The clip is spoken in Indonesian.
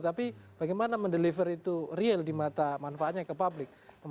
tapi bagaimana mendeliver itu real di mata manfaatnya ke publik